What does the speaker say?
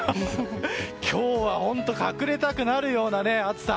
今日は本当に隠れたくなるような暑さ。